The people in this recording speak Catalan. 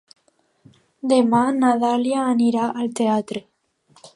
Demà na Dàlia anirà al teatre.